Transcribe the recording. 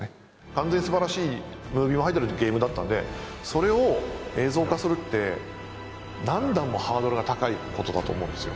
完全にすばらしいムービーも入ってるゲームだったんでそれを映像化するって何段もハードルが高いことだと思うんですよ